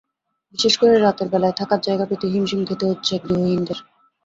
বিশেষ করে রাতের বেলায় থাকার জায়গা পেতে হিমশিম খেতে হচ্ছে গৃহহীনদের।